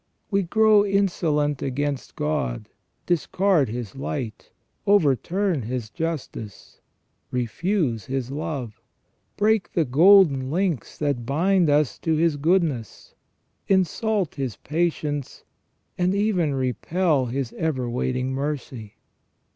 We grow insolent against God ; discard His light ; overturn His justice ; refuse His love; break the golden links that bind us to His goodness; insult His patience; and even repel His ever waiting mercy.